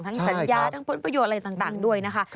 สัญญาทั้งผลประโยชน์อะไรต่างด้วยนะคะ